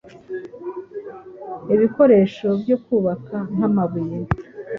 ibikoresho byo kubaka nk’amabuye,